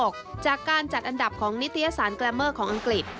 จากการจัดอันดับของนิตยสารแกรมเมอร์ของอังกฤษ